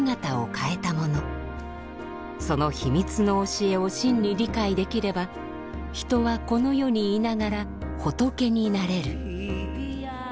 その秘密の教えを真に理解できれば人はこの世にいながら仏になれる。